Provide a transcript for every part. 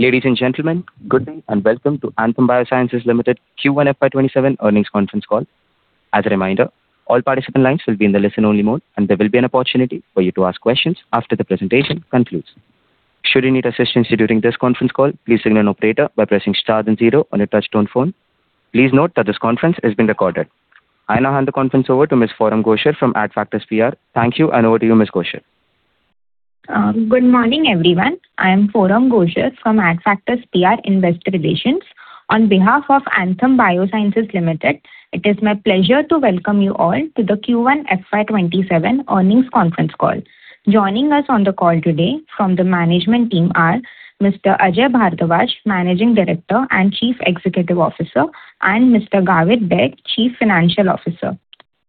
Ladies and gentlemen, good day and welcome to Anthem Biosciences Limited Q1 FY 2027 earnings conference call. As a reminder, all participant lines will be in the listen-only mode, and there will be an opportunity for you to ask questions after the presentation concludes. Should you need assistance during this conference call, please signal an operator by pressing star then zero on your touch-tone phone. Please note that this conference is being recorded. I now hand the conference over to Ms. Forum Goshar from Adfactors PR. Thank you, and over to you, Ms. Goshar. Good morning, everyone. I am Forum Goshar from Adfactors PR Investor Relations. On behalf of Anthem Biosciences Limited, it is my pleasure to welcome you all to the Q1 FY 2027 earnings conference call. Joining us on the call today from the management team are Mr. Ajay Bhardwaj, Managing Director and Chief Executive Officer, and Mr. Gawir Baig, Chief Financial Officer.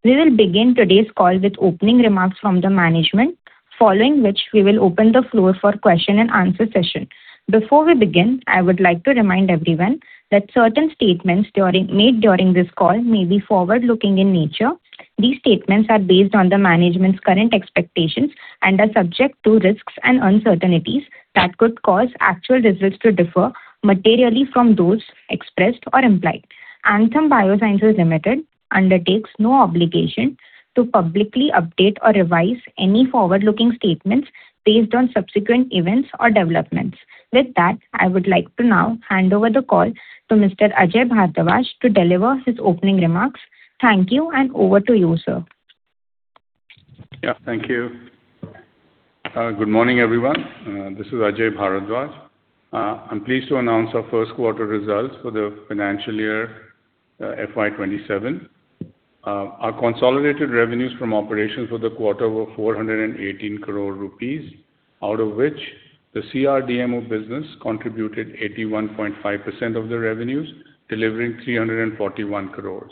We will begin today's call with opening remarks from the management, following which we will open the floor for question and answer session. Before we begin, I would like to remind everyone that certain statements made during this call may be forward-looking in nature. These statements are based on the management's current expectations and are subject to risks and uncertainties that could cause actual results to differ materially from those expressed or implied. Anthem Biosciences Limited undertakes no obligation to publicly update or revise any forward-looking statements based on subsequent events or developments. I would like to now hand over the call to Mr. Ajay Bhardwaj to deliver his opening remarks. Thank you, and over to you, sir. Yeah. Thank you. Good morning, everyone. This is Ajay Bhardwaj. I'm pleased to announce our first quarter results for the financial year FY 2027. Our consolidated revenues from operations for the quarter were 418 crores rupees, out of which the CRDMO business contributed 81.5% of the revenues, delivering 341 crores.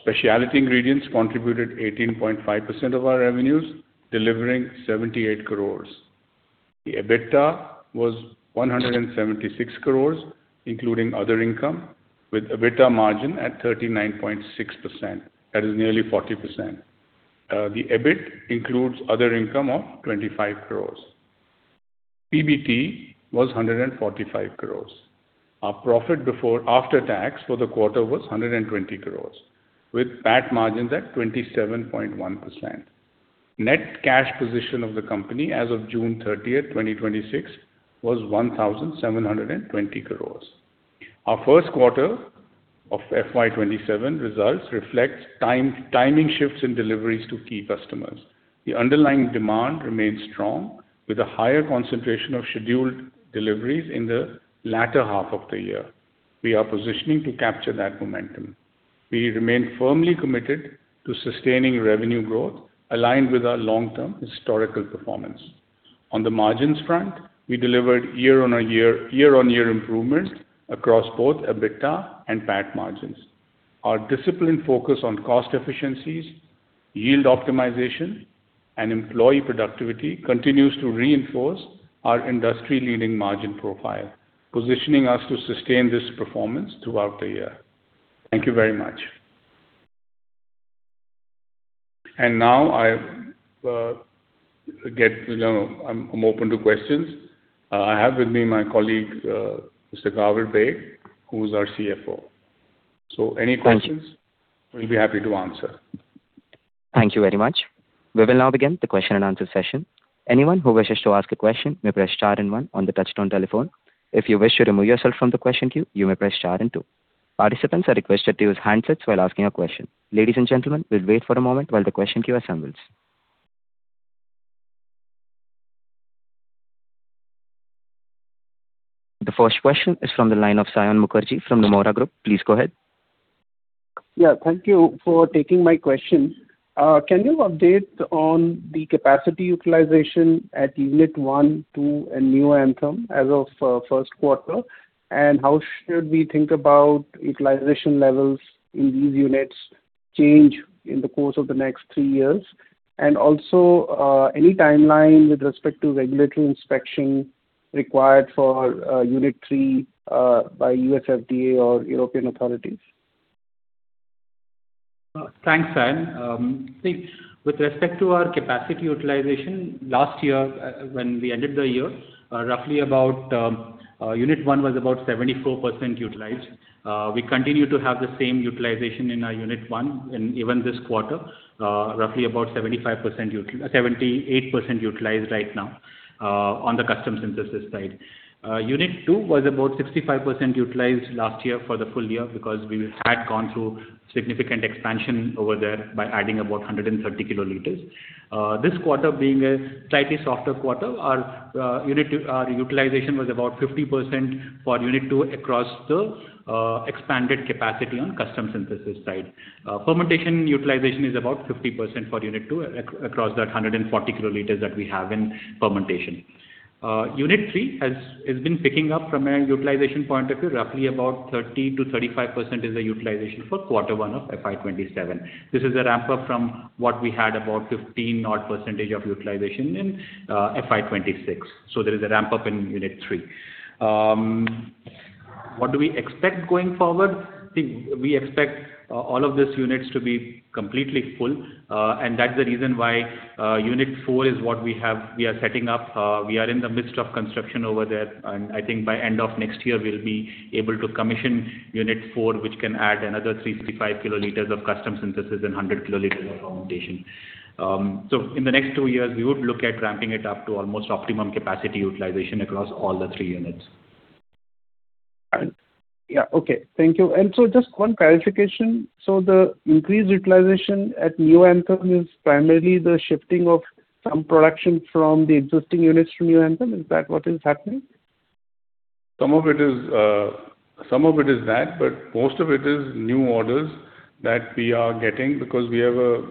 Specialty Ingredients contributed 18.5% of our revenues, delivering 78 crores. The EBITDA was 176 crores, including other income, with EBITDA margin at 39.6%. That is nearly 40%. The EBIT includes other income of 25 crores. PBT was 145 crores. Our profit after tax for the quarter was 120 crores, with PAT margins at 27.1%. Net cash position of the company as of June 30th, 2026, was 1,720 crores. Our first quarter of FY 2027 results reflect timing shifts in deliveries to key customers. The underlying demand remains strong, with a higher concentration of scheduled deliveries in the latter half of the year. We are positioning to capture that momentum. We remain firmly committed to sustaining revenue growth aligned with our long-term historical performance. On the margins front, we delivered year-on-year improvements across both EBITDA and PAT margins. Our disciplined focus on cost efficiencies, yield optimization, and employee productivity continues to reinforce our industry-leading margin profile, positioning us to sustain this performance throughout the year. Thank you very much. Now I'm open to questions. I have with me my colleague, Mr. Gawir Baig, who's our CFO. Any questions, we'll be happy to answer. Thank you very much. We will now begin the question and answer session. Anyone who wishes to ask a question may press star then one on the touch-tone telephone. If you wish to remove yourself from the question queue, you may press star then two. Participants are requested to use handsets while asking a question. Ladies and gentlemen, we'll wait for a moment while the question queue assembles. The first question is from the line of Saion Mukherjee from Nomura Group. Please go ahead. Yeah. Thank you for taking my question. Can you update on the capacity utilization at Unit I, II, and Neoanthem as of first quarter? How should we think about utilization levels in these units change in the course of the next three years? Also, any timeline with respect to regulatory inspection required for Unit III by U.S. FDA or European authorities? Thanks, Saion. I think with respect to our capacity utilization, last year when we ended the year, Unit I was about 74% utilized. We continue to have the same utilization in our Unit I and even this quarter, roughly about 78% utilized right now on the custom synthesis side. Unit II was about 65% utilized last year for the full year because we had gone through significant expansion over there by adding about 130 kL. This quarter being a slightly softer quarter, our utilization was about 50% for Unit II across the expanded capacity on custom synthesis side. Fermentation utilization is about 50% for Unit II across that 140 kL that we have in fermentation. Unit III has been picking up from a utilization point of view, roughly about 30%-35% is the utilization for quarter one of FY 2027. This is a ramp-up from what we had about 15%-odd of utilization in FY 2026. There is a ramp-up in Unit III. What do we expect going forward? I think we expect all of these units to be completely full, and that's the reason why Unit IV is what we are setting up. We are in the midst of construction over there, and I think by end of next year, we'll be able to commission Unit IV, which can add another 365 kL of custom synthesis and 100 kL of fermentation. In the next two years, we would look at ramping it up to almost optimum capacity utilization across all the three units. Yeah. Okay. Thank you. Just one clarification. The increased utilization at Neoanthem is primarily the shifting of some production from the existing units to Neoanthem. Is that what is happening? Some of it is that, but most of it is new orders that we are getting because we have a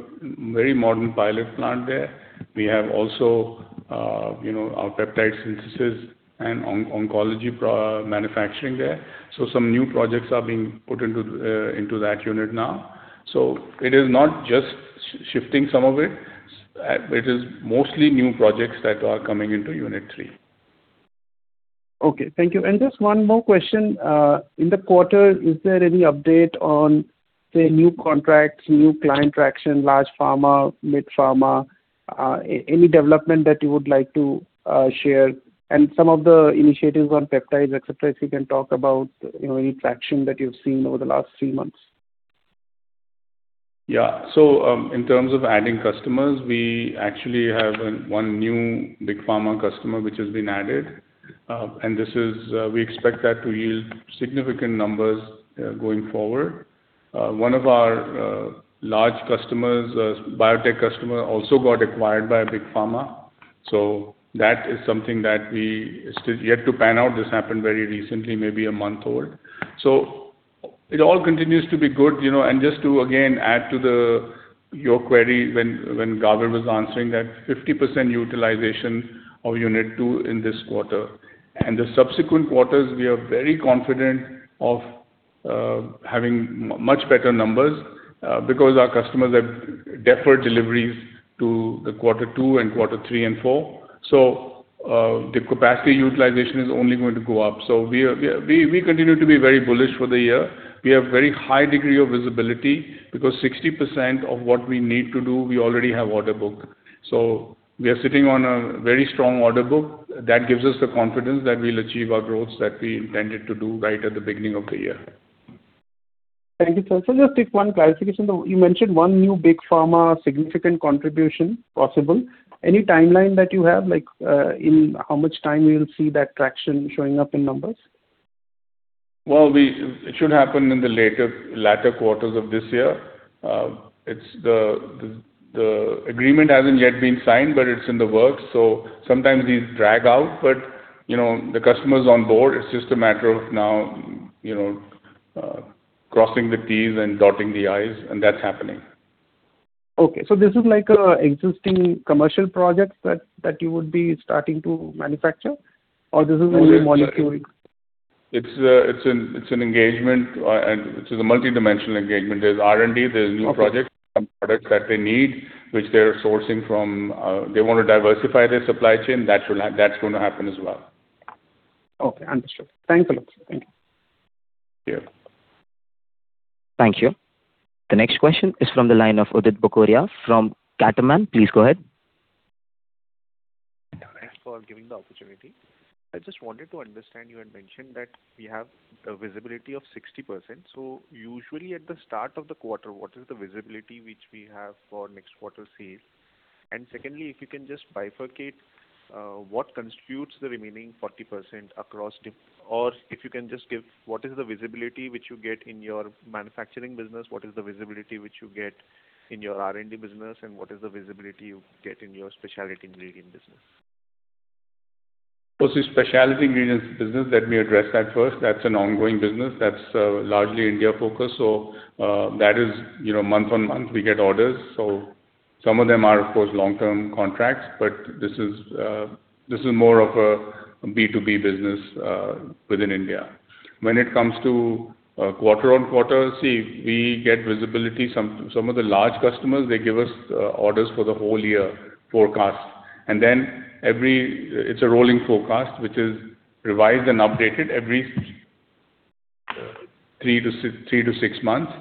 very modern pilot plant there. We have also our peptide synthesis and oncology manufacturing there. Some new projects are being put into that unit now. It is not just shifting some of it is mostly new projects that are coming into Unit III. Okay, thank you. Just one more question. In the quarter, is there any update on, say, new contracts, new client traction, large pharma, mid pharma, any development that you would like to share? Some of the initiatives on peptides, etc., if you can talk about any traction that you've seen over the last three months. Yeah. In terms of adding customers, we actually have one new big pharma customer which has been added. We expect that to yield significant numbers going forward. One of our large customers, a biotech customer, also got acquired by a big pharma. That is something that we still yet to pan out. This happened very recently, maybe a month old. It all continues to be good. Just to, again, add to your query, when Gawir was answering that 50% utilization of Unit II in this quarter, and the subsequent quarters, we are very confident of having much better numbers because our customers have deferred deliveries to the quarter two and quarter three and four. The capacity utilization is only going to go up. We continue to be very bullish for the year. We have very high degree of visibility because 60% of what we need to do, we already have order book. We are sitting on a very strong order book that gives us the confidence that we'll achieve our growth that we intended to do right at the beginning of the year. Thank you. Sir, just one clarification, though. You mentioned one new big pharma significant contribution possible. Any timeline that you have, like in how much time we will see that traction showing up in numbers? Well, it should happen in the latter quarters of this year. The agreement hasn't yet been signed, but it's in the works. Sometimes these drag out, but the customer's on board, it's just a matter of now crossing the T's and dotting the I's, and that's happening. Okay, this is like a existing commercial project that you would be starting to manufacture? Or this is a new molecule? It's an engagement, this is a multidimensional engagement. There's R&D, there's new projects. Some products that they need, which they're sourcing from. They want to diversify their supply chain. That's going to happen as well. Okay, understood. Thanks a lot, sir. Thank you. Yeah. Thank you. The next question is from the line of Udit Bokaria from Catamaran. Please go ahead. Thanks for giving the opportunity. I just wanted to understand, you had mentioned that we have a visibility of 60%. Usually at the start of the quarter, what is the visibility which we have for next quarter sales? Secondly, if you can just bifurcate what constitutes the remaining 40% across Or if you can just give what is the visibility which you get in your manufacturing business, what is the visibility which you get in your R&D business, and what is the visibility you get in your Specialty Ingredient business? Specialty Ingredients business, let me address that first. That's an ongoing business. That's largely India-focused. That is month-on-month we get orders. Some of them are, of course, long-term contracts, but this is more of a B2B business within India. When it comes to quarter-on-quarter, we get visibility. Some of the large customers, they give us orders for the whole year forecast. It's a rolling forecast, which is revised and updated every three to six months.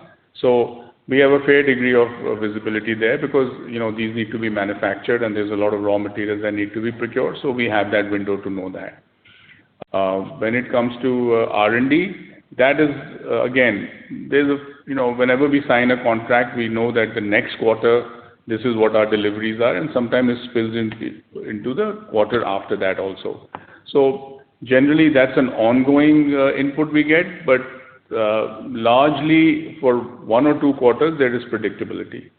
We have a fair degree of visibility there because these need to be manufactured and there's a lot of raw materials that need to be procured. We have that window to know that. When it comes to R&D, that is, again, whenever we sign a contract, we know that the next quarter, this is what our deliveries are, and sometimes it spills into the quarter after that also. Generally, that's an ongoing input we get, but largely for one or two quarters, there is predictability.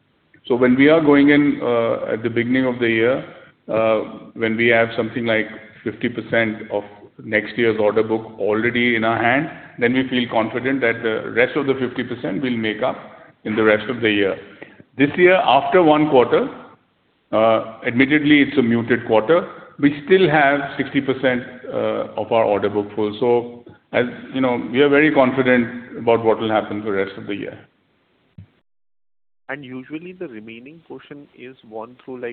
When we are going in at the beginning of the year, when we have something like 50% of next year's order book already in our hand, we feel confident that the rest of the 50% will make up in the rest of the year. This year, after one quarter, admittedly it's a muted quarter, we still have 60% of our order book full. We are very confident about what will happen for the rest of the year. Usually the remaining portion is won through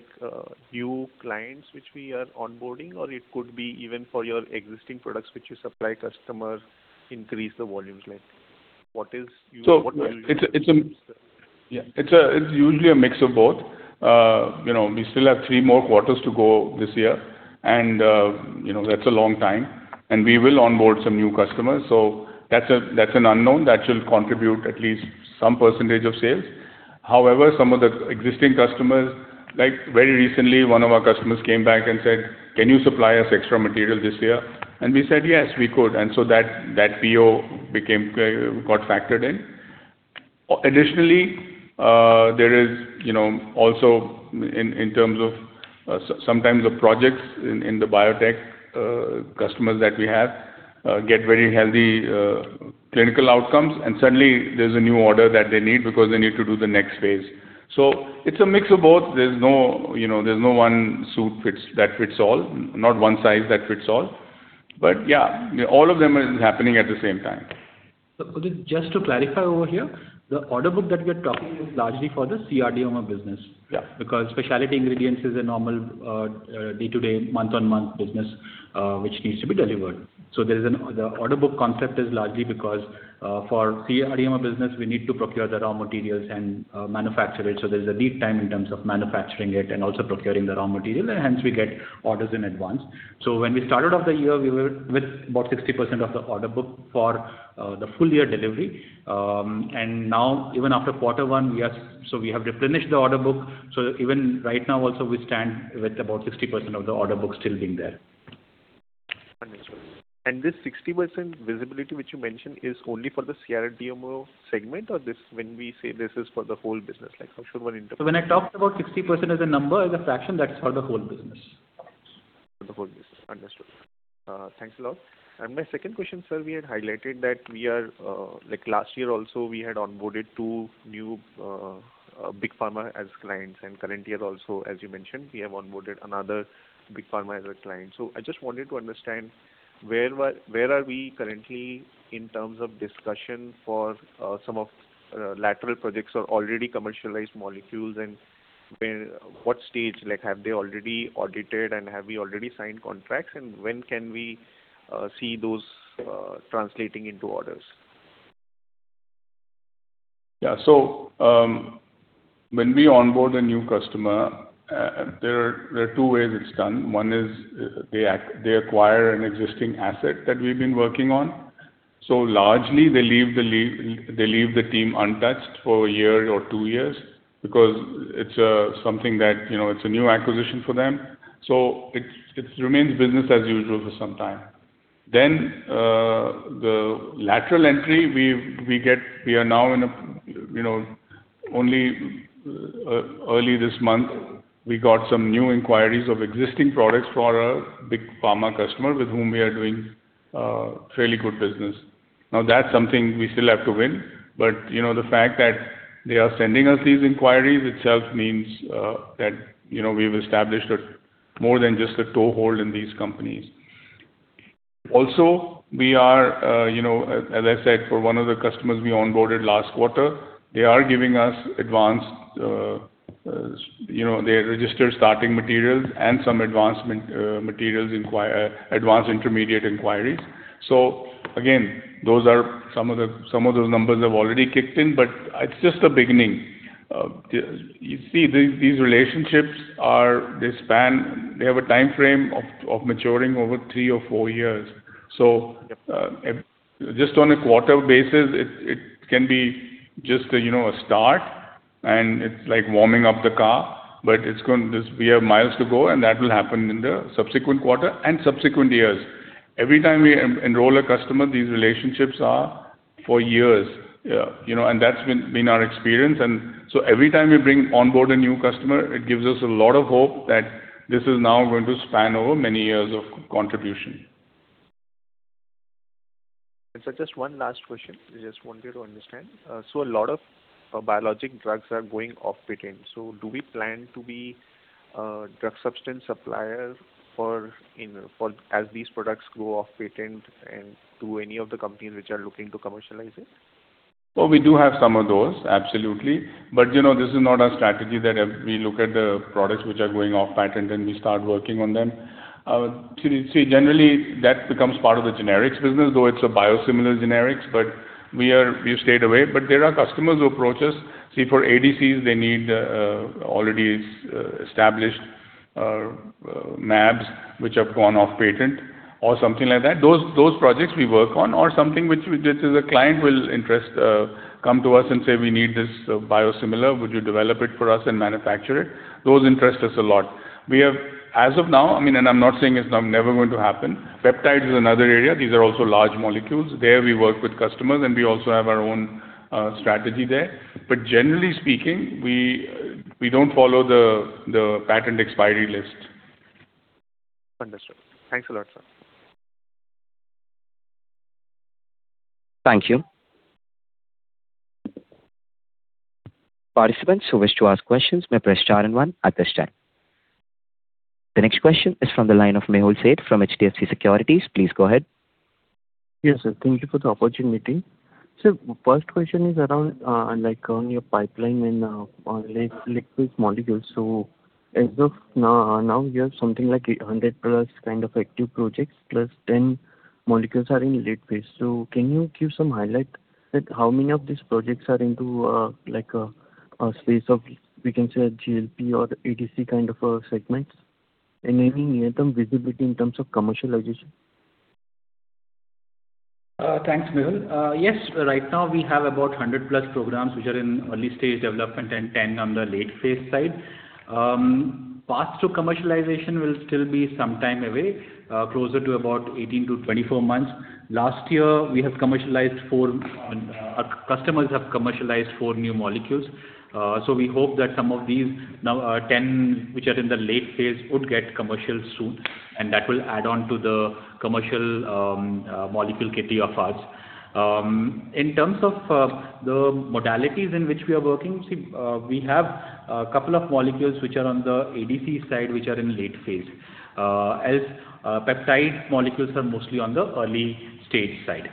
new clients which we are onboarding? Or it could be even for your existing products which you supply customers increase the volumes? It's usually a mix of both. We still have three more quarters to go this year, and that's a long time, and we will onboard some new customers. That's an unknown. That should contribute at least some percentage of sales. However, some of the existing customers. Like, very recently, one of our customers came back and said, "Can you supply us extra material this year?" We said, "Yes, we could." That PO got factored in. Additionally, there is also, in terms of, sometimes the projects in the biotech customers that we have get very healthy clinical outcomes, and suddenly there's a new order that they need because they need to do the next phase. It's a mix of both. There's no one suit that fits all, not one size that fits all. Yeah, all of them is happening at the same time. Just to clarify over here, the order book that we're talking is largely for the CRDMO business. Specialty Ingredients is a normal day-to-day, month-on-month business which needs to be delivered. The order book concept is largely because for CRDMO business, we need to procure the raw materials and manufacture it. There's a lead time in terms of manufacturing it and also procuring the raw material, hence we get orders in advance. When we started off the year, we were with about 60% of the order book for the full year delivery. Now even after quarter one, we have replenished the order book. Even right now also we stand with about 60% of the order book still being there. Understood. This 60% visibility which you mentioned is only for the CRDMO segment or when we say this is for the whole business, like how should one interpret? When I talked about 60% as a number, as a fraction, that's for the whole business. My second question, sir, we had highlighted that like last year also, we had onboarded two new big pharma as clients, current year also, as you mentioned, we have onboarded another big pharma as a client. I just wanted to understand where are we currently in terms of discussion for some of lateral projects or already commercialized molecules and what stage? Have they already audited and have we already signed contracts, and when can we see those translating into orders? When we onboard a new customer, there are two ways it's done. One is they acquire an existing asset that we've been working on. Largely, they leave the team untouched for a year or two years because it's a new acquisition for them. It remains business as usual for some time. The lateral entry we get, only early this month we got some new inquiries of existing products for a big pharma customer with whom we are doing fairly good business. That's something we still have to win, but the fact that they are sending us these inquiries itself means that we've established more than just a toehold in these companies. Also, as I said, for one of the customers we onboarded last quarter, they are giving us They registered starting materials and some advanced intermediate inquiries. Again, some of those numbers have already kicked in, but it's just the beginning. You see, these relationships, they have a timeframe of maturing over three or four years. Just on a quarter basis, it can be just a start and it's like warming up the car. We have miles to go, that will happen in the subsequent quarter and subsequent years. Every time we enroll a customer, these relationships are for years. Yeah. That's been our experience. Every time we bring onboard a new customer, it gives us a lot of hope that this is now going to span over many years of contribution. Sir, just one last question. I just wanted to understand. A lot of biologic drugs are going off patent. Do we plan to be a drug substance supplier as these products go off patent and to any of the companies which are looking to commercialize it? We do have some of those, absolutely. This is not our strategy that we look at the products which are going off patent, and we start working on them. Generally, that becomes part of the generics business, though it's a biosimilar generic, but we've stayed away. There are customers who approach us. For ADCs, they need already established mAbs which have gone off patent or something like that. Those projects we work on or something which a client will come to us and say, "We need this biosimilar. Would you develop it for us and manufacture it?" Those interest us a lot. As of now, I'm not saying it's never going to happen. Peptide is another area. These are also large molecules. There we work with customers, and we also have our own strategy there. Generally speaking, we don't follow the patent expiry list. Understood. Thanks a lot, sir. Thank you. Participants who wish to ask questions may press star and one at this time. The next question is from the line of Mehul Sheth from HDFC Securities. Please go ahead. Yes, sir. Thank you for the opportunity. Sir, first question is around your pipeline in late liquid molecules. As of now, you have something like 100+ kind of active projects, +10 molecules are in late phase. Can you give some highlight that how many of these projects are into a space of, we can say, GLP or ADC kind of segments? Any near-term visibility in terms of commercialization? Thanks, Mehul. Yes, right now we have about 100+ programs which are in early stage development and 10 on the late phase side. Path to commercialization will still be some time away, closer to about 18 months-24 months. Last year, our customers have commercialized four new molecules. We hope that some of these 10, which are in the late phase, would get commercial soon, and that will add on to the commercial molecule kitty of ours. In terms of the modalities in which we are working, we have a couple of molecules which are on the ADC side, which are in late phase. Else, peptide molecules are mostly on the early stage side.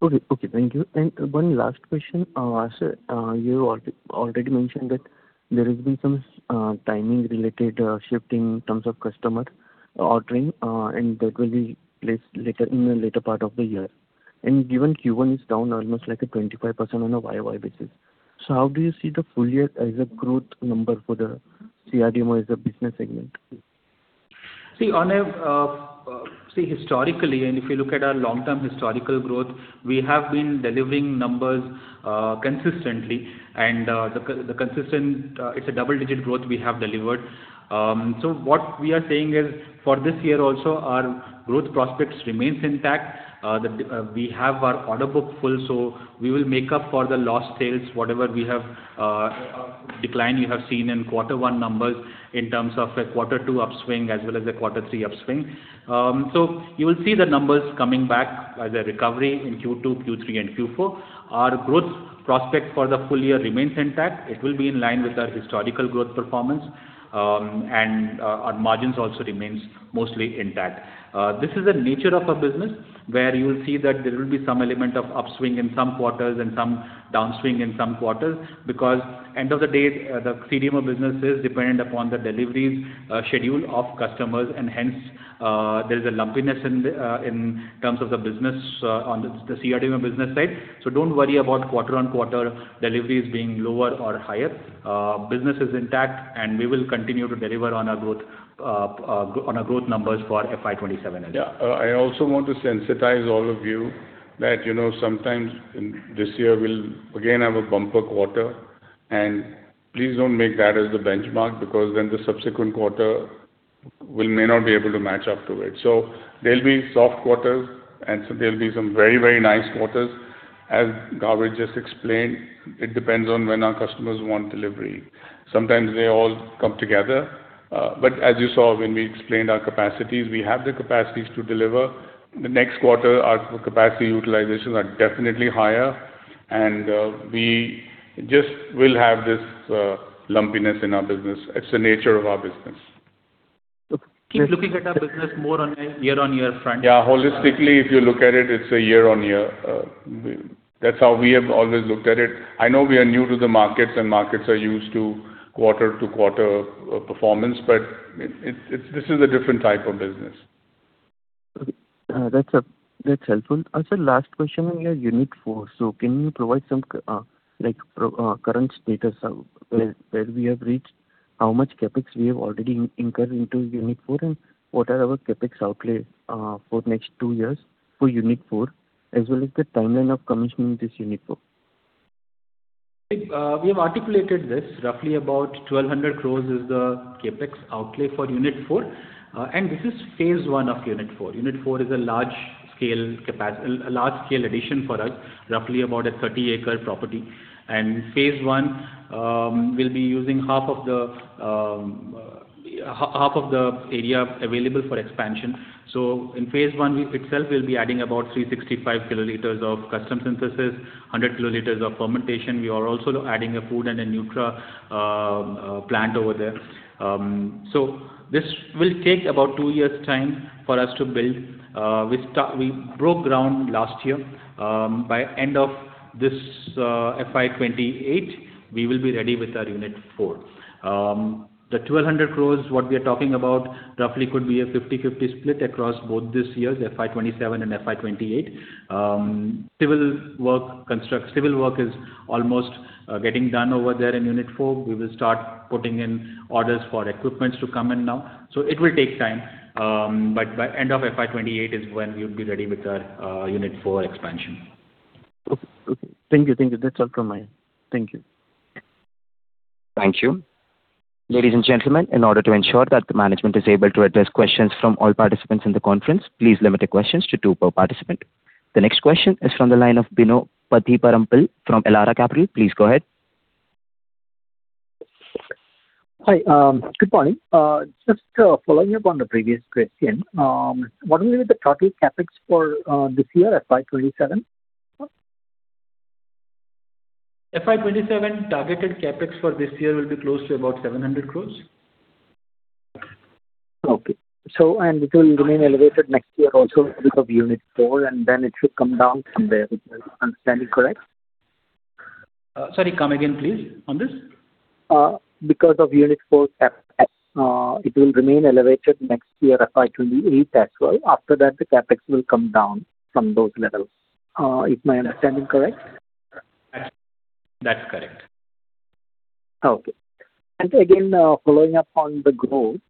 Okay. Thank you. One last question. Sir, you already mentioned that there has been some timing related shifting in terms of customer ordering, and that will be placed in the later part of the year. Given Q1 is down almost like a 25% on a year-over-year basis. How do you see the full year as a growth number for the CRDMO as a business segment? Historically, if you look at our long-term historical growth, we have been delivering numbers consistently, and it's a double-digit growth we have delivered. What we are saying is, for this year also, our growth prospects remain intact. We have our order book full, we will make up for the lost sales, whatever decline you have seen in quarter one numbers in terms of a quarter two upswing as well as a quarter three upswing. You will see the numbers coming back as a recovery in Q2, Q3, and Q4. Our growth prospect for the full year remains intact. It will be in line with our historical growth performance, and our margins also remain mostly intact. This is the nature of a business where you will see that there will be some element of upswing in some quarters and some downswing in some quarters, because end of the day, the CRDMO business is dependent upon the delivery schedule of customers, and hence there's a lumpiness in terms of the business on the CRDMO business side. Don't worry about quarter-on-quarter deliveries being lower or higher. Business is intact, and we will continue to deliver on our growth numbers for FY 2027 as well. I also want to sensitize all of you that sometimes this year we'll again have a bumper quarter, please don't make that as the benchmark because then the subsequent quarter may not be able to match up to it. There'll be soft quarters and there'll be some very nice quarters. As Gawir just explained, it depends on when our customers want delivery. Sometimes they all come together. As you saw when we explained our capacities, we have the capacities to deliver. The next quarter, our capacity utilizations are definitely higher, and we just will have this lumpiness in our business. It's the nature of our business. Keep looking at our business more on a year-on-year front. Yeah. Holistically, if you look at it's a year-on-year. That's how we have always looked at it. I know we are new to the markets, and markets are used to quarter-to-quarter performance, but this is a different type of business. Okay. That's helpful. Sir, last question on your Unit IV. Can you provide some current status of where we have reached, how much CapEx we have already incurred into Unit IV, and what are our CapEx outlay for next two years for Unit IV, as well as the timeline of commissioning this Unit IV? We have articulated this. Roughly about 1,200 crores is the CapEx outlay for Unit IV. This is phase I of Unit IV. Unit IV is a large-scale addition for us, roughly about a 30-acre property. Phase I, we'll be using half of the area available for expansion. In phase I itself, we'll be adding about 365 kL of custom synthesis, 100 kL of fermentation. We are also adding a food and a nutra plant over there. This will take about two years' time for us to build. We broke ground last year. By end of this FY 2028, we will be ready with our Unit IV. The 1,200 crores, what we are talking about roughly could be a 50/50 split across both this year's FY 2027 and FY 2028. Civil work is almost getting done over there in Unit IV. We will start putting in orders for equipment to come in now. It will take time. By end of FY 2028 is when we would be ready with our Unit IV expansion. Okay. Thank you. That's all from my end. Thank you. Thank you. Ladies and gentlemen, in order to ensure that management is able to address questions from all participants in the conference, please limit the questions to two per participant. The next question is from the line of Bino Pathiparampil from Elara Capital. Please go ahead. Hi. Good morning. Just following up on the previous question. What will be the total CapEx for this year, FY 2027? FY 2027 targeted CapEx for this year will be close to about 700 crores. Okay. It will remain elevated next year also because of Unit IV, then it should come down somewhere. Is my understanding correct? Sorry, come again, please, on this. Because of Unit IV CapEx, it will remain elevated next year, FY 2028 as well. After that, the CapEx will come down from those levels. Is my understanding correct? That's correct. Okay. Again, following up on the growth.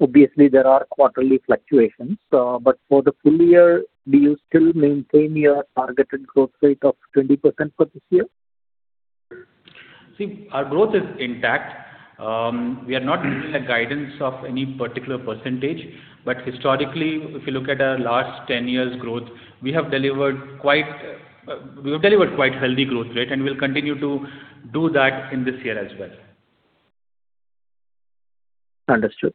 Obviously, there are quarterly fluctuations. For the full year, do you still maintain your targeted growth rate of 20% for this year? See, our growth is intact. We are not giving a guidance of any particular percentage. Historically, if you look at our last 10 years growth, we have delivered quite a healthy growth rate, and we'll continue to do that in this year as well. Understood.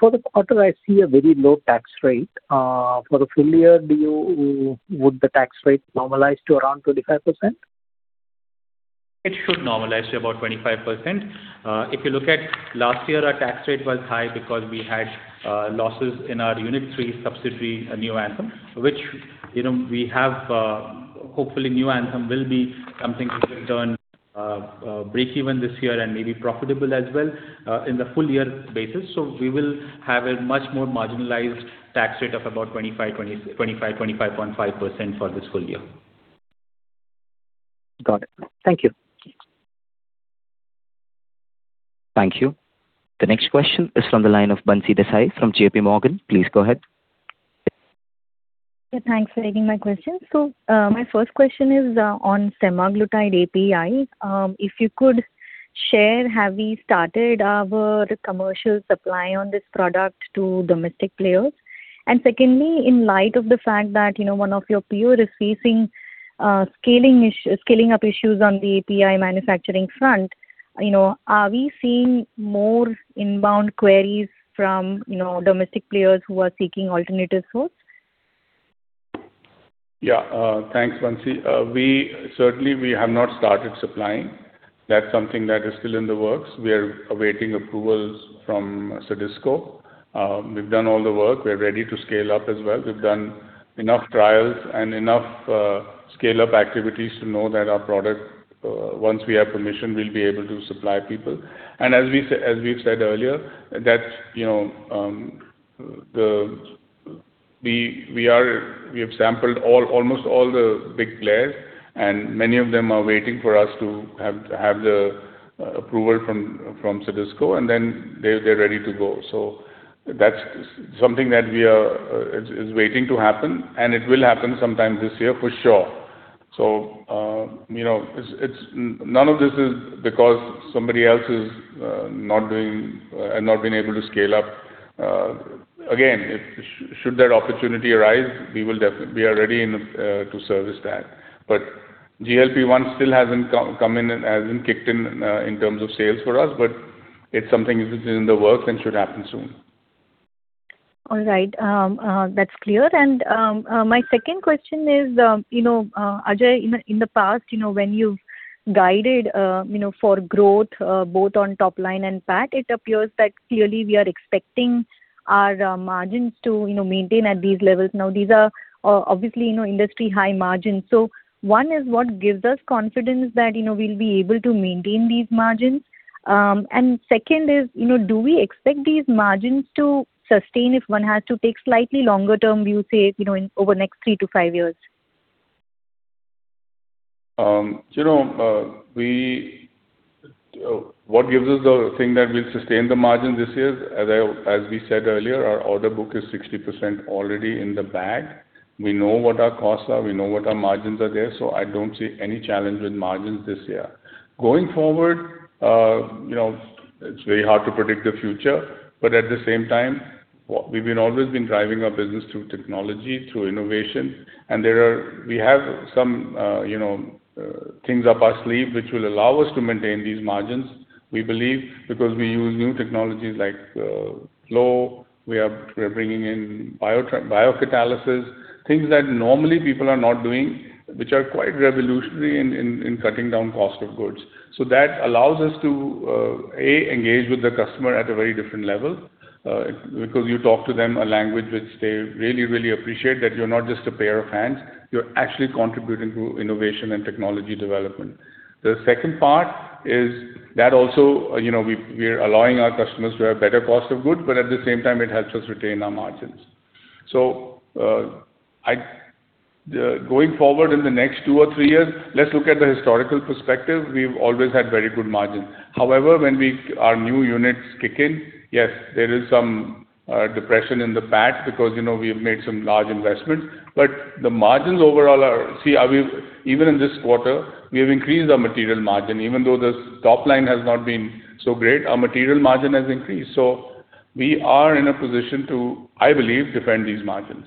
For the quarter, I see a very low tax rate. For the full year, would the tax rate normalize to around 25%? It should normalize to about 25%. If you look at last year, our tax rate was high because we had losses in our Unit III subsidiary, Neoanthem. Hopefully, Neoanthem will be something which will turn breakeven this year and may be profitable as well, in the full year basis. We will have a much more marginalized tax rate of about 25%-25.5% for this full year. Got it. Thank you. Thank you. The next question is from the line of Bansi Desai from JPMorgan. Please go ahead. Thanks for taking my question. My first question is on semaglutide API. If you could share, have we started our commercial supply on this product to domestic players? Secondly, in light of the fact that one of your peer is facing scaling up issues on the API manufacturing front, are we seeing more inbound queries from domestic players who are seeking alternative source? Thanks, Bansi. Certainly, we have not started supplying. That's something that is still in the works. We are awaiting approvals from CDSCO. We've done all the work. We're ready to scale up as well. We've done enough trials and enough scale-up activities to know that our product, once we have permission, we'll be able to supply people. As we've said earlier, we have sampled almost all the big players, and many of them are waiting for us to have the approval from CDSCO, and then they're ready to go. That's something that is waiting to happen, and it will happen sometime this year for sure. None of this is because somebody else has not been able to scale up. Again, should that opportunity arise, we are ready to service that. GLP-1 still hasn't come in and hasn't kicked in terms of sales for us, it's something which is in the works and should happen soon. All right. That's clear. My second question is, Ajay, in the past, when you've guided for growth both on top line and PAT, it appears that clearly we are expecting our margins to maintain at these levels. These are obviously industry high margins. One is, what gives us confidence that we'll be able to maintain these margins? Second is, do we expect these margins to sustain if one had to take slightly longer term view, say, over next three to five years? What gives us the thing that we'll sustain the margin this year, as we said earlier, our order book is 60% already in the bag. We know what our costs are, we know what our margins are there, I don't see any challenge with margins this year. Going forward, it's very hard to predict the future. At the same time, we've always been driving our business through technology, through innovation, we have some things up our sleeve which will allow us to maintain these margins, we believe, because we use new technologies like flow. We are bringing in biocatalysis, things that normally people are not doing, which are quite revolutionary in cutting down cost of goods. That allows us to, A, engage with the customer at a very different level, because you talk to them a language which they really appreciate, that you're not just a pair of hands. You're actually contributing to innovation and technology development. The second part is that also, we're allowing our customers to have better cost of goods, at the same time, it helps us retain our margins. Going forward in the next two or three years, let's look at the historical perspective. We've always had very good margins. However, when our new units kick in, yes, there is some depression in the PAT because we have made some large investments. The margins overall, even in this quarter, we have increased our material margin. Even though the top line has not been so great, our material margin has increased. We are in a position to, I believe, defend these margins.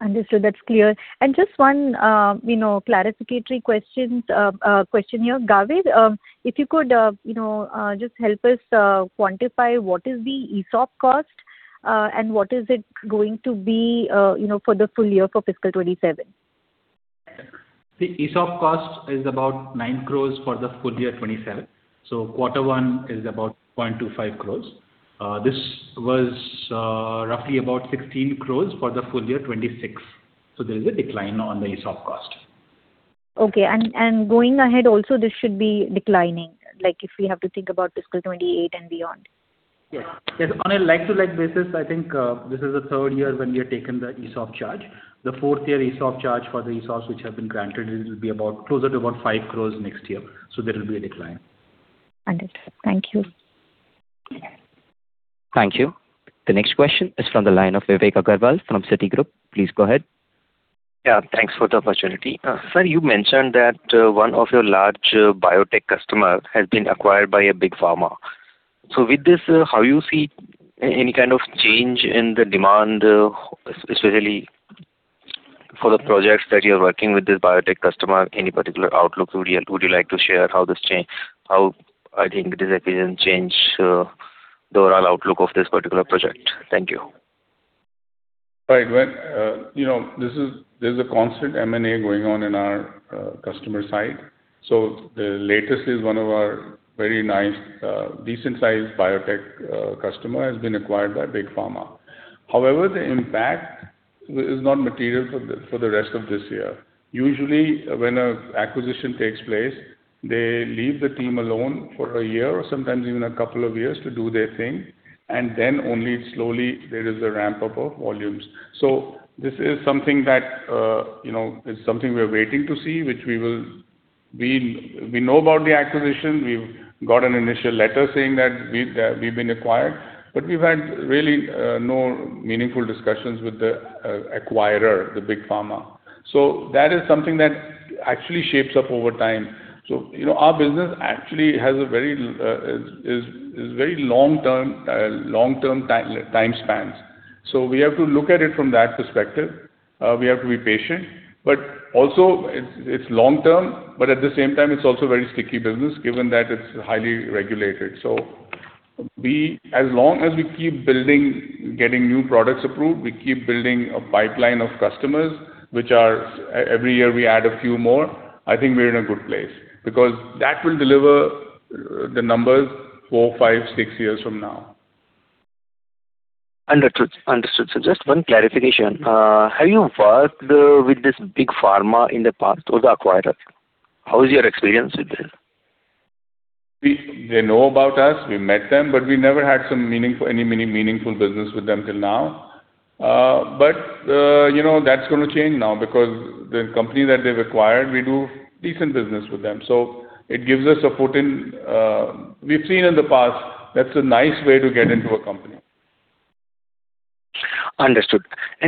Understood. That's clear. Just one clarificatory question here. Gawir, if you could just help us quantify what is the ESOP cost, and what is it going to be for the full year for fiscal 2027? The ESOP cost is about 9 crores for the full year 2027. Quarter one is about 0.25 crores. This was roughly about 16 crores for the full year 2026. There is a decline on the ESOP cost. Okay. Going ahead also, this should be declining, if we have to think about fiscal 2028 and beyond. Yes. On a like-to-like basis, I think this is the third year when we have taken the ESOP charge. The fourth-year ESOP charge for the ESOPs which have been granted, it will be closer to about 5 crores next year. There will be a decline. Understood. Thank you. Thank you. The next question is from the line of Vivek Agrawal from Citigroup. Please go ahead. Yeah. Thanks for the opportunity. Sir, you mentioned that one of your large biotech customer has been acquired by a big pharma. With this, how you see any kind of change in the demand, especially for the projects that you're working with this biotech customer, any particular outlook would you like to share how this acquisition change the overall outlook of this particular project? Thank you. Right. There's a constant M&A going on in our customer side. The latest is one of our very nice, decent-sized biotech customer has been acquired by big pharma. However, the impact is not material for the rest of this year. Usually, when an acquisition takes place, they leave the team alone for a year or sometimes even a couple of years to do their thing, and then only slowly there is a ramp-up of volumes. This is something we're waiting to see. We know about the acquisition. We've got an initial letter saying that we've been acquired, but we've had really no meaningful discussions with the acquirer, the big pharma. That is something that actually shapes up over time. Our business actually has very long-term time spans. We have to look at it from that perspective. We have to be patient. Also it's long-term, but at the same time, it's also very sticky business, given that it's highly regulated. As long as we keep building, getting new products approved, we keep building a pipeline of customers, which every year we add a few more, I think we're in a good place, because that will deliver the numbers four, five, six years from now. Understood. Just one clarification. Have you worked with this big pharma in the past or the acquirers? How is your experience with this? They know about us. We met them, but we never had any meaningful business with them till now. That's going to change now because the company that they've acquired, we do decent business with them. It gives us a foot in. We've seen in the past, that's a nice way to get into a company. Understood.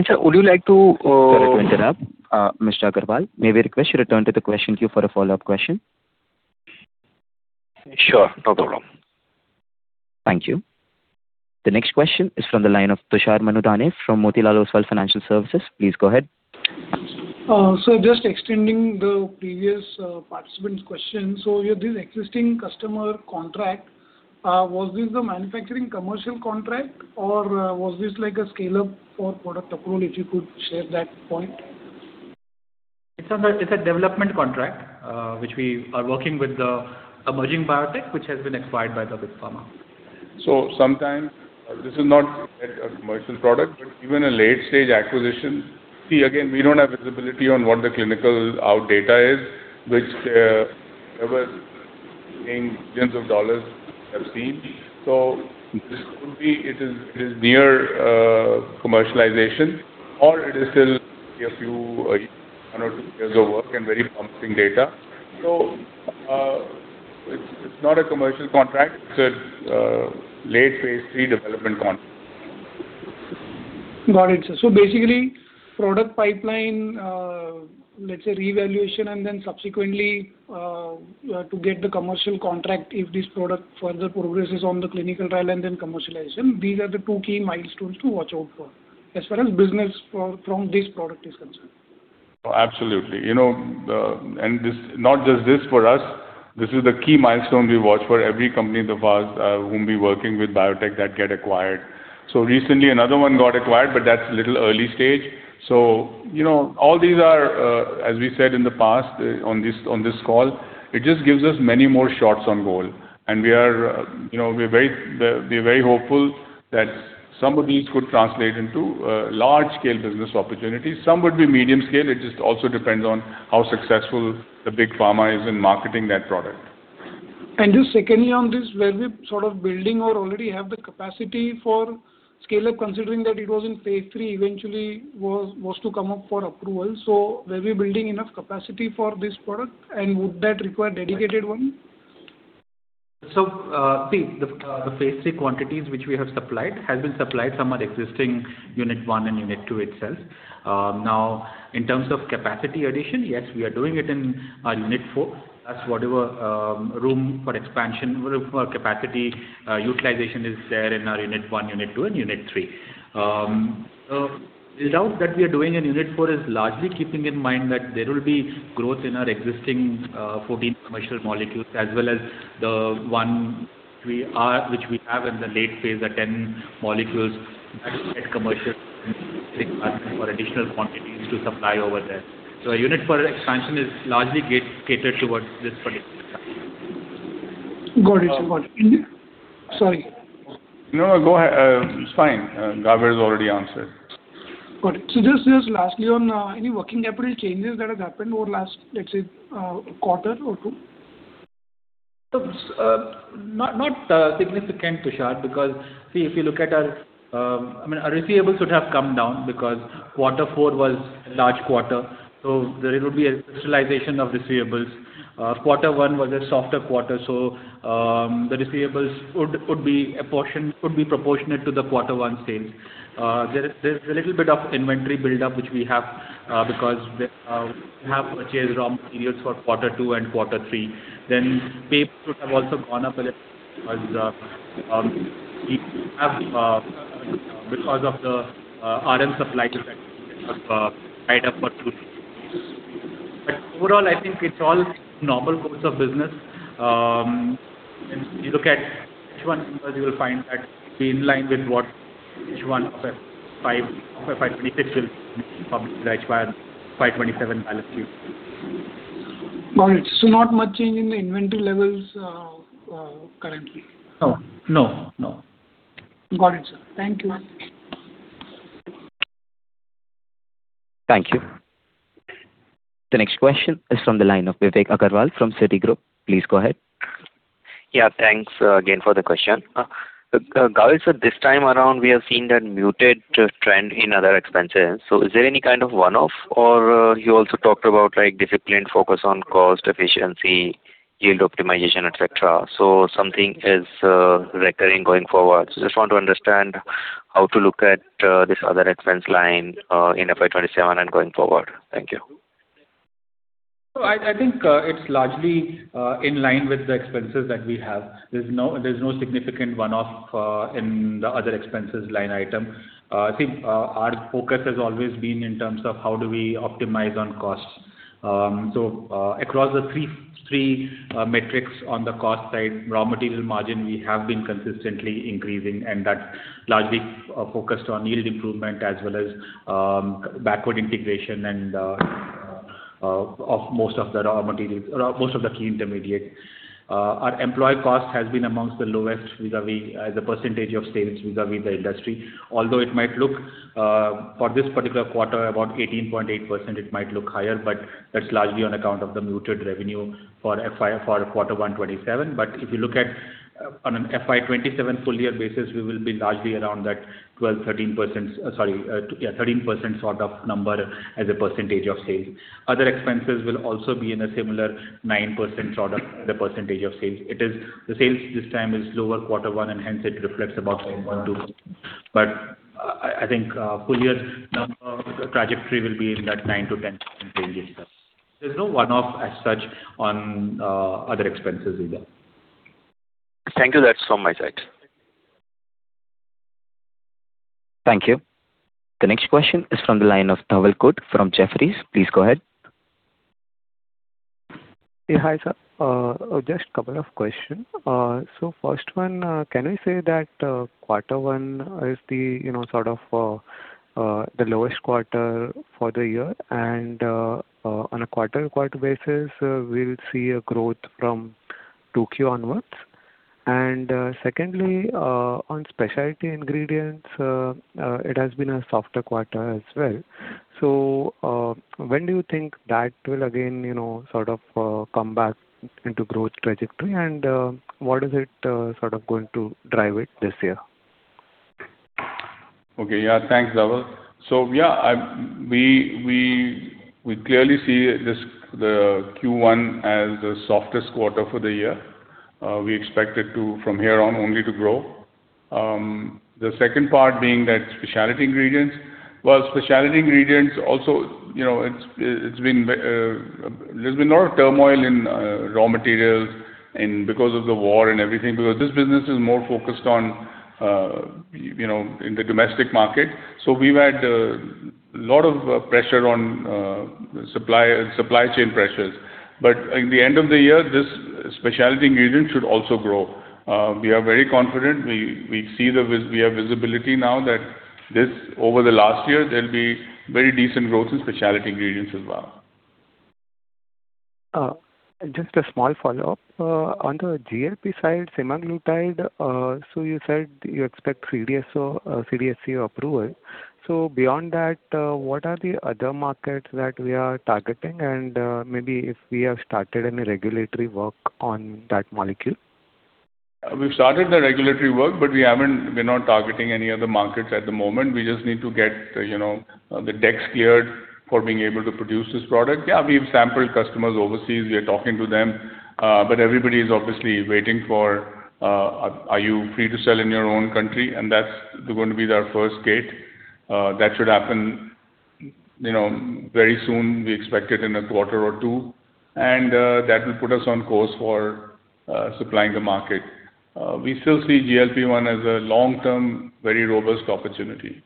Sir, would you like to- Sorry to interrupt. Mr. Agrawal, may I request you return to the question queue for a follow-up question? Sure, no problem. Thank you. The next question is from the line of Tushar Manudhane from Motilal Oswal Financial Services. Please go ahead. Sir, just extending the previous participant's question. This existing customer contract, was this the manufacturing commercial contract or was this like a scale-up for product approval? If you could share that point. It's a development contract, which we are working with the emerging biotech, which has been acquired by the big pharma. Sometimes this is not yet a commercial product, but even a late-stage acquisition. See, again, we don't have visibility on what the clinical out data is, which was in billions of dollars we have seen. This could be it is near commercialization or it is still a few one or two years of work and very promising data. It's not a commercial contract, it's a late phase III development contract. Got it, sir. Basically, product pipeline, let's say reevaluation and then subsequently to get the commercial contract if this product further progresses on the clinical trial and then commercialization, these are the two key milestones to watch out for, as well as business from this product is concerned. Oh, absolutely. Not just this for us, this is the key milestone we watch for every company in the past whom we working with biotech that get acquired. Recently another one got acquired, but that's little early stage. All these are, as we said in the past on this call, it just gives us many more shots on goal. We're very hopeful that some of these could translate into large-scale business opportunities. Some would be medium scale. It just also depends on how successful the big pharma is in marketing that product. Just secondly on this, were we sort of building or already have the capacity for scale-up considering that it was in phase III eventually was to come up for approval? Were we building enough capacity for this product and would that require dedicated one? See, the phase III quantities which we have supplied has been supplied from our existing Unit I and Unit II itself. Now in terms of capacity addition, yes, we are doing it in our Unit IV. That's whatever room for expansion, room for capacity utilization is there in our Unit I, Unit II, and Unit III. The build-out that we are doing in Unit IV is largely keeping in mind that there will be growth in our existing 14 commercial molecules as well as the one we are, which we have in the late phase are 10 molecules at commercial for additional quantities to supply over there. Our Unit IV expansion is largely catered towards this particular Got it, sir. Sorry. No, go ahead. It is fine. Gawir has already answered. Got it. Just lastly, on any working capital changes that has happened over the last, let us say, quarter or two? Not significant, Tushar, because, see, if you look at our receivables should have come down because quarter four was a large quarter. There would be a crystallization of receivables. Quarter one was a softer quarter. The receivables, a portion could be proportionate to the quarter one sales. There is a little bit of inventory buildup, which we have because we have purchased raw materials for quarter two and quarter three. Payables should have also gone up a little because of the RM supply that we have tied up for two, three quarters. Overall, I think it is all normal course of business. If you look at Q1 numbers, you will find that we are in line with what Q1 of FY 2026 will be published as FY 2027 balance sheet. Got it. Not much change in the inventory levels currently? No. Got it, sir. Thank you. Thank you. The next question is from the line of Vivek Agrawal from Citigroup. Please go ahead. Thanks again for the question. Gawir, this time around, we have seen that muted trend in other expenses. Is there any kind of one-off or you also talked about discipline, focus on cost efficiency, yield optimization, etc. Something is recurring going forward. Just want to understand how to look at this other expense line in FY 2027 and going forward? Thank you. I think it's largely in line with the expenses that we have. There's no significant one-off in the other expenses line item. Our focus has always been in terms of how do we optimize on costs. Across the three metrics on the cost side, raw material margin, we have been consistently increasing, and that's largely focused on yield improvement as well as backward integration of most of the raw materials, most of the key intermediates. Our employee cost has been amongst the lowest as a percentage of sales vis-a-vis the industry. Although it might look for this particular quarter, about 18.8%, it might look higher, but that's largely on account of the muted revenue for quarter one 2027. If you look at on an FY 2027 full year basis, we will be largely around that 12%-13% sort of number as a percentage of sales. Other expenses will also be in a similar 9% sort of the percentage of sales. The sales this time is lower quarter one and hence it reflects about 9.2%. I think full year number trajectory will be in that 9%-10% range itself. There's no one-off as such on other expenses either. Thank you. That's from my side. Thank you. The next question is from the line of Dhawal Khut from Jefferies. Please go ahead. Hi, sir. Just couple of questions. First one, can we say that quarter one is the lowest quarter for the year and on a quarter-over-quarter basis, we'll see a growth from 2Q onwards? Secondly, on specialty ingredients, it has been a softer quarter as well. When do you think that will again, sort of come back into growth trajectory and what is it going to drive it this year? Okay. Yeah. Thanks, Dhawal. We clearly see the Q1 as the softest quarter for the year. We expect it to, from here on, only to grow. The second part being that specialty ingredients. Specialty ingredients also, there's been a lot of turmoil in raw materials and because of the war and everything, because this business is more focused in the domestic market. We've had a lot of pressure on supply chain pressures. In the end of the year, this specialty ingredient should also grow. We are very confident. We have visibility now that this, over the last year, there'll be very decent growth in specialty ingredients as well. Just a small follow-up. On the GLP side, semaglutide, you said you expect CDSCO approval. Beyond that, what are the other markets that we are targeting and maybe if we have started any regulatory work on that molecule? We've started the regulatory work, but we're not targeting any other markets at the moment. We just need to get the decks cleared for being able to produce this product. Yeah, we've sampled customers overseas. We are talking to them. Everybody is obviously waiting for, are you free to sell in your own country? That's going to be our first gate. That should happen very soon. We expect it in a quarter or two, and that will put us on course for supplying the market. We still see GLP-1 as a long-term, very robust opportunity.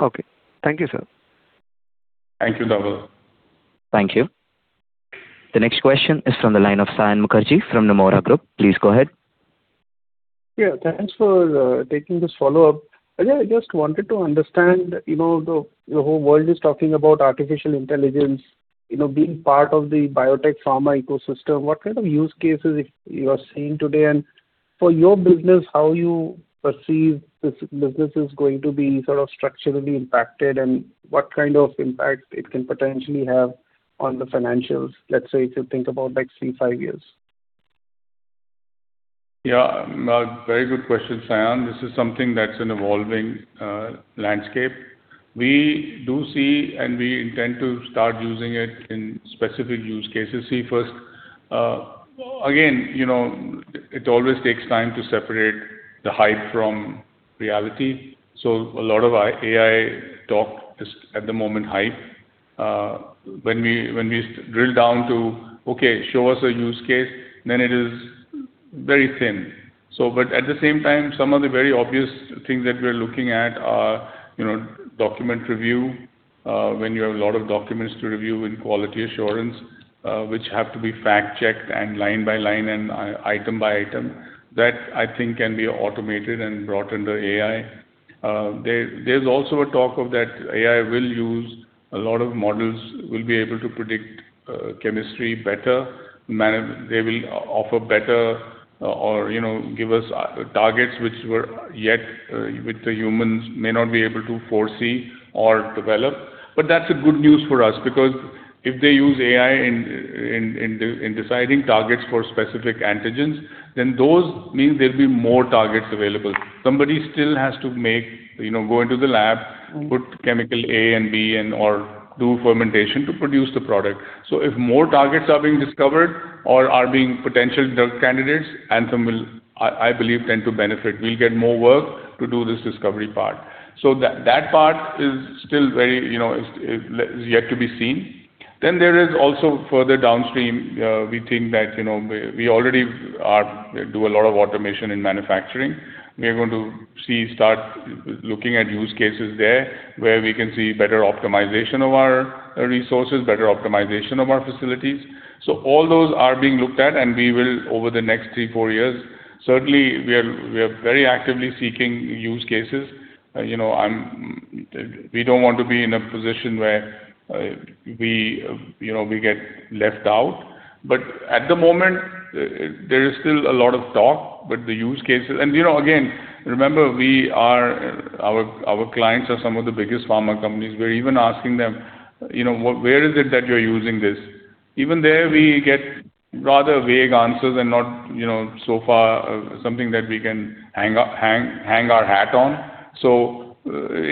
Okay. Thank you, sir. Thank you, Dhawal. Thank you. The next question is from the line of Saion Mukherjee from Nomura Group. Please go ahead. Yeah. Thanks for taking this follow-up. I just wanted to understand, the whole world is talking about artificial intelligence, being part of the biotech pharma ecosystem, what kind of use cases you are seeing today, and for your business, how you perceive this business is going to be structurally impacted, and what kind of impact it can potentially have on the financials, let's say, if you think about next three, five years? Yeah. Very good question, Saion. This is something that's an evolving landscape. We do see, and we intend to start using it in specific use cases. See, first, again, it always takes time to separate the hype from reality. A lot of AI talk is, at the moment, hype. When we drill down to, "Okay, show us a use case," then it is very thin. At the same time, some of the very obvious things that we are looking at are document review. When you have a lot of documents to review in quality assurance, which have to be fact-checked and line by line and item by item. That, I think, can be automated and brought under AI. There's also a talk of that AI will use a lot of models, will be able to predict chemistry better. They will offer better or give us targets which the humans may not be able to foresee or develop. That's a good news for us because if they use AI in deciding targets for specific antigens, those mean there'll be more targets available. Somebody still has to go into the lab. Put chemical A and B or do fermentation to produce the product. If more targets are being discovered or are being potential drug candidates, Anthem will, I believe, tend to benefit. We'll get more work to do this discovery part. That part is yet to be seen. There is also further downstream. We think that we already do a lot of automation in manufacturing. We are going to start looking at use cases there, where we can see better optimization of our resources, better optimization of our facilities. All those are being looked at, and we will over the next three, four years. Certainly, we are very actively seeking use cases. We don't want to be in a position where we get left out. At the moment, there is still a lot of talk. The use cases. Again, remember, our clients are some of the biggest pharma companies. We're even asking them, "Where is it that you're using this?" Even there, we get rather vague answers and not so far something that we can hang our hat on.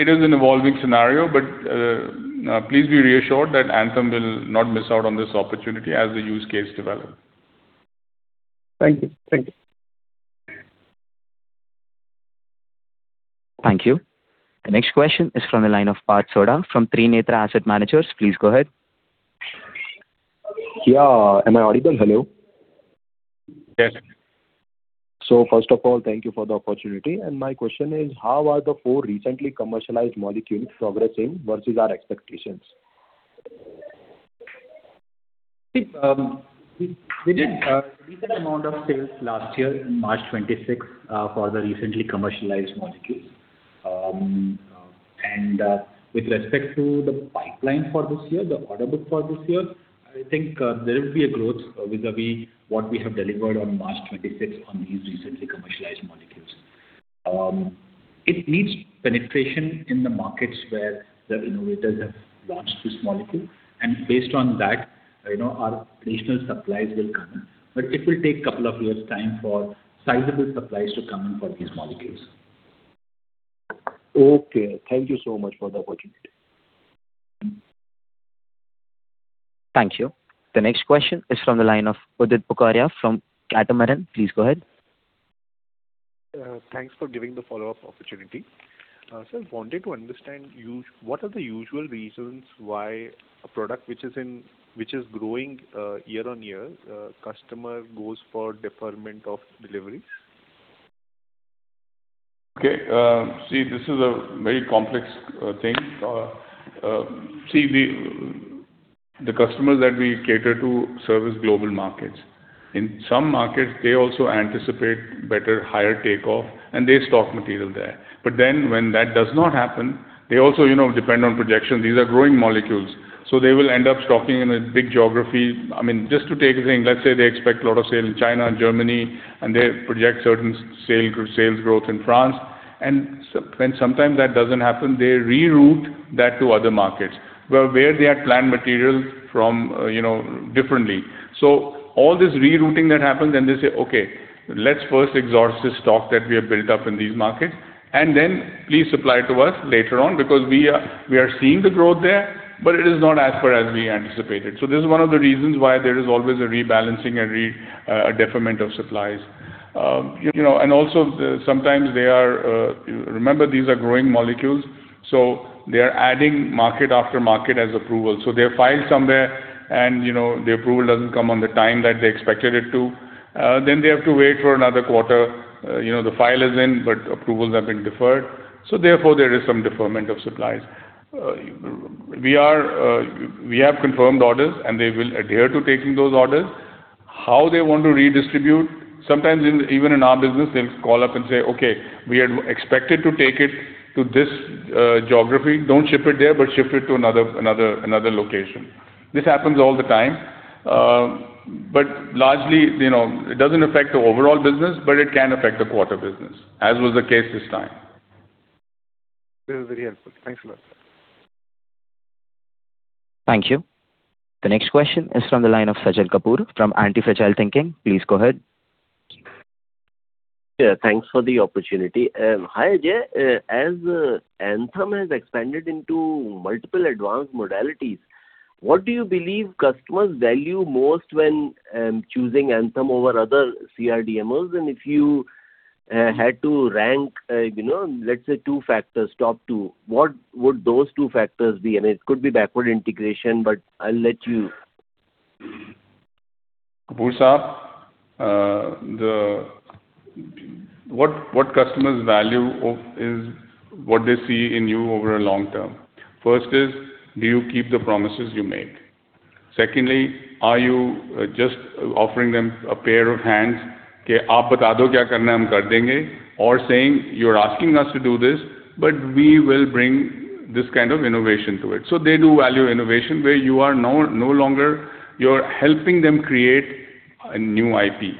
It is an evolving scenario, but please be reassured that Anthem will not miss out on this opportunity as the use case develops. Thank you. Thank you. The next question is from the line of Parth Sodha from Trinetra Asset Managers. Please go ahead. Yeah. Am I audible? Hello. Yes. First of all, thank you for the opportunity. My question is: how are the four recently commercialized molecules progressing versus our expectations? We did a decent amount of sales last year in March 2026 for the recently commercialized molecules. With respect to the pipeline for this year, the order book for this year, I think there will be a growth vis-à-vis what we have delivered on March 2026 on these recently commercialized molecules. It needs penetration in the markets where the innovators have launched this molecule, and based on that, our additional supplies will come in. It will take couple of years' time for sizable supplies to come in for these molecules. Okay. Thank you so much for the opportunity. Thank you. The next question is from the line of Udit Bokaria from Catamaran. Please go ahead. Thanks for giving the follow-up opportunity. Sir, wanted to understand what are the usual reasons why a product which is growing year-over-year, customer goes for deferment of deliveries? Okay. See, this is a very complex thing. The customers that we cater to service global markets. In some markets, they also anticipate better, higher takeoff, and they stock material there. When that does not happen, they also depend on projection. These are growing molecules, so they will end up stocking in a big geography. Just to take a thing, let's say they expect a lot of sale in China and Germany, and they project certain sales growth in France. When sometimes that doesn't happen, they reroute that to other markets. Well, where they had planned material differently. All this rerouting that happens, then they say, "Okay. Let's first exhaust this stock that we have built up in these markets. Please supply to us later on because we are seeing the growth there, but it is not as per as we anticipated. This is one of the reasons why there is always a rebalancing and a deferment of supplies. Sometimes, remember, these are growing molecules, so they are adding market after market as approval. They're filed somewhere, and the approval doesn't come on the time that they expected it to. They have to wait for another quarter. The file is in, but approvals have been deferred. Therefore, there is some deferment of supplies. We have confirmed orders, and they will adhere to taking those orders. How they want to redistribute. Sometimes even in our business, they'll call up and say, "Okay, we are expected to take it to this geography. Don't ship it there, but ship it to another location." This happens all the time. Largely, it doesn't affect the overall business, but it can affect the quarter business, as was the case this time. This is very helpful. Thanks a lot, sir. Thank you. The next question is from the line of Sajal Kapoor from Antifragile Thinking. Please go ahead. Yeah, thanks for the opportunity. Hi, Ajay. As Anthem has expanded into multiple advanced modalities, what do you believe customers value most when choosing Anthem over other CRDMOs? If you had to rank, let's say two factors, top two, what would those two factors be? It could be backward integration, but I'll let you. What customers value is what they see in you over a long term. First is, do you keep the promises you make? Secondly, are you just offering them a pair of hands? "Okay, you tell us what to do, we will do it." Or saying, "You're asking us to do this, but we will bring this kind of innovation to it." They do value innovation where you're helping them create a new IP.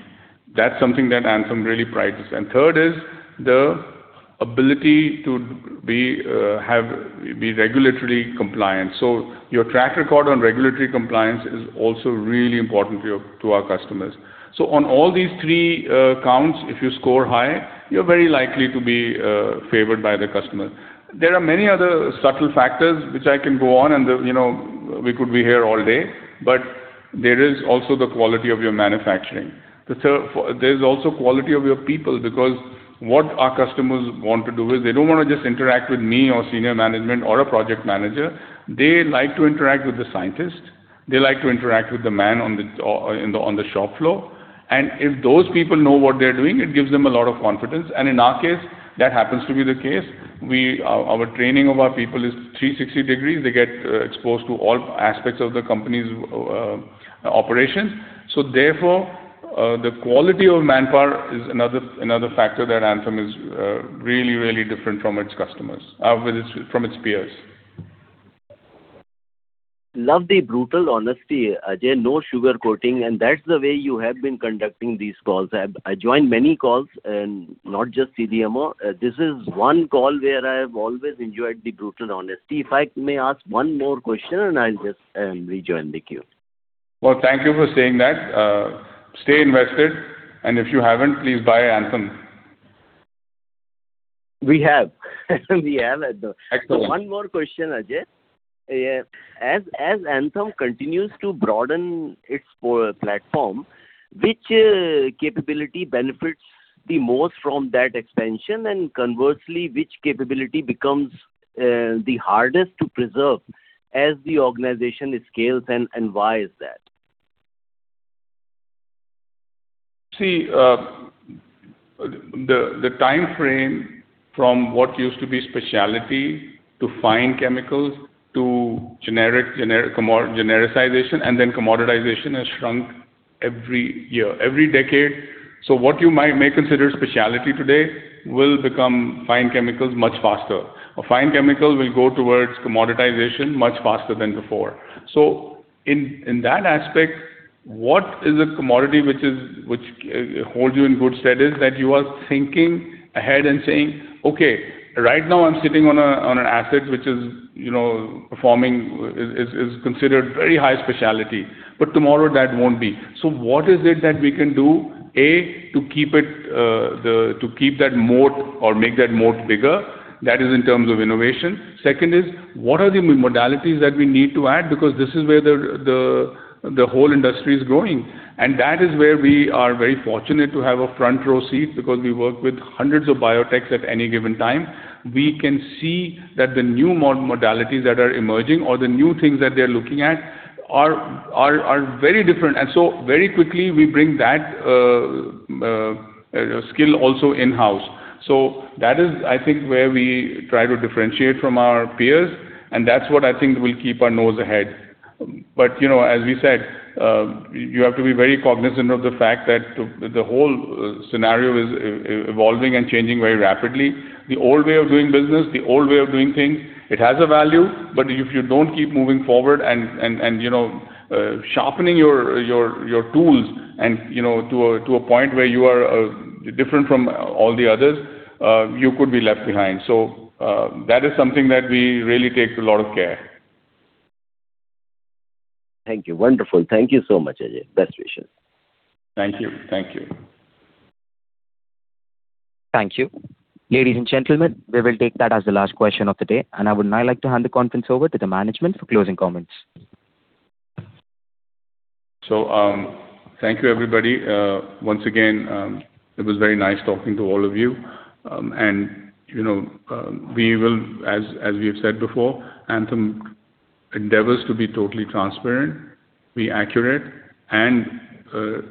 That's something that Anthem really prides. Third is the ability to be regulatory compliant. Your track record on regulatory compliance is also really important to our customers. On all these three counts, if you score high, you're very likely to be favored by the customer. There are many other subtle factors which I can go on, and we could be here all day, but there is also the quality of your manufacturing. There's also quality of your people, because what our customers want to do is they don't want to just interact with me or senior management or a project manager. They like to interact with the scientist. They like to interact with the man on the shop floor. If those people know what they're doing, it gives them a lot of confidence. In our case, that happens to be the case. Our training of our people is 360 degrees. They get exposed to all aspects of the company's operation. Therefore, the quality of manpower is another factor that Anthem is really different from its peers. Love the brutal honesty, Ajay. No sugarcoating, that's the way you have been conducting these calls. I joined many calls, not just CRDMO. This is one call where I have always enjoyed the brutal honesty. If I may ask one more question, I'll just rejoin the queue. Well, thank you for saying that. Stay invested, if you haven't, please buy Anthem. We have. Excellent. One more question, Ajay. As Anthem continues to broaden its platform, which capability benefits the most from that expansion, conversely, which capability becomes the hardest to preserve as the organization scales, why is that? The timeframe from what used to be specialty to fine chemicals to genericization, then commoditization has shrunk every year, every decade. What you may consider specialty today will become fine chemicals much faster, fine chemicals will go towards commoditization much faster than before. In that aspect, what is a commodity which holds you in good stead is that you are thinking ahead and saying, "Okay, right now I'm sitting on an asset which is considered very high specialty, tomorrow that won't be." What is it that we can do, A, to keep that moat or make that moat bigger? That is in terms of innovation. Second is, what are the modalities that we need to add? Because this is where the whole industry is growing. That is where we are very fortunate to have a front-row seat because we work with hundreds of biotechs at any given time. We can see that the new modalities that are emerging or the new things that they're looking at are very different. Very quickly, we bring that skill also in-house. That is, I think, where we try to differentiate from our peers, and that's what I think will keep our nose ahead. As we said, you have to be very cognizant of the fact that the whole scenario is evolving and changing very rapidly. The old way of doing business, the old way of doing things, it has a value, but if you don't keep moving forward and sharpening your tools to a point where you are different from all the others, you could be left behind. That is something that we really take a lot of care. Thank you. Wonderful. Thank you so much, Ajay. Best wishes. Thank you. Thank you. Ladies and gentlemen, we will take that as the last question of the day, and I would now like to hand the conference over to the management for closing comments. Thank you, everybody. Once again, it was very nice talking to all of you. We will, as we have said before, Anthem endeavors to be totally transparent, be accurate, and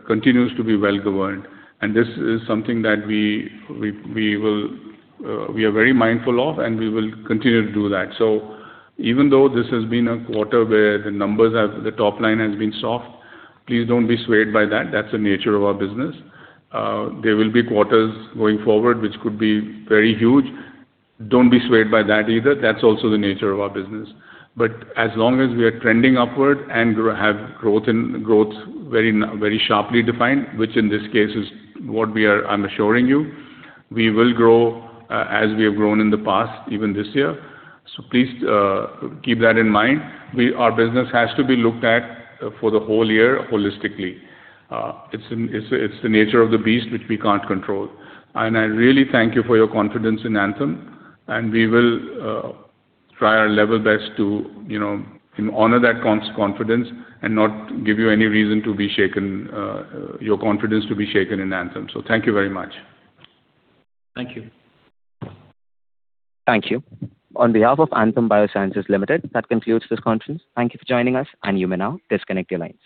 continues to be well-governed. This is something that we are very mindful of, and we will continue to do that. Even though this has been a quarter where the top line has been soft, please don't be swayed by that. That's the nature of our business. There will be quarters going forward, which could be very huge. Don't be swayed by that either. That's also the nature of our business. As long as we are trending upward and have growth very sharply defined, which in this case is what I'm assuring you, we will grow as we have grown in the past, even this year. Please keep that in mind. Our business has to be looked at for the whole year holistically. It's the nature of the beast, which we can't control. I really thank you for your confidence in Anthem, and we will try our level best to honor that confidence and not give you any reason for your confidence to be shaken in Anthem. Thank you very much. Thank you. Thank you. On behalf of Anthem Biosciences Limited, that concludes this conference. Thank you for joining us, and you may now disconnect your lines.